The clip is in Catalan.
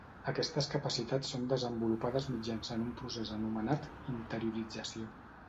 Aquestes capacitats són desenvolupades mitjançant un procés anomenat interiorització.